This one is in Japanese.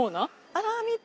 あら見て！